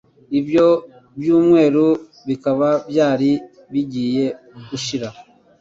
ibyo byumweru bikaba byari bigiye gushira